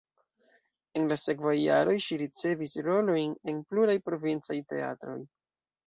En la sekvaj jaroj ŝi ricevis rolojn en pluraj provincaj teatroj.